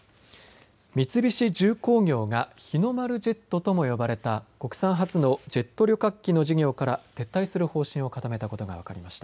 三菱重工業が日の丸ジェットとも呼ばれた国産初のジェット旅客機の事業から撤退する方針を固めたことが分かりました。